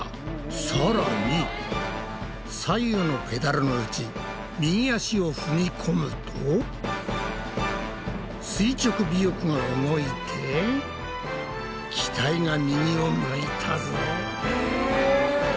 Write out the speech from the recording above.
さらに左右のペダルのうち右足を踏み込むと垂直尾翼が動いて機体が右を向いたぞ。